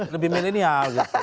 lebih milenial gitu